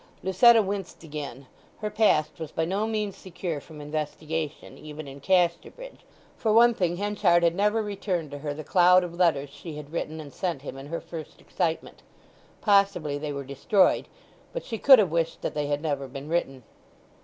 Lucetta winced again. Her past was by no means secure from investigation, even in Casterbridge. For one thing Henchard had never returned to her the cloud of letters she had written and sent him in her first excitement. Possibly they were destroyed; but she could have wished that they had never been written.